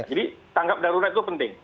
jadi tanggap darurat itu penting